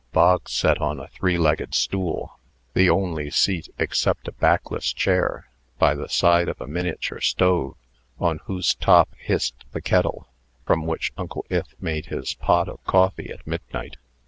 Bog sat on a three legged stool (the only seat except a backless chair) by the side of a miniature stove, on whose top hissed the kettle, from which Uncle Ith made his pot of coffee at midnight.